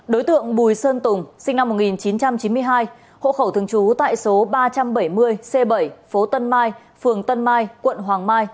đối tượng bùi sơn tùng sinh năm một nghìn chín trăm chín mươi hai hộ khẩu thường trú tại số ba trăm bảy mươi c bảy phố tân mai phường tân mai quận hoàng mai